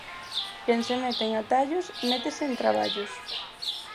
Quen se mete en atallos, métese en traballos.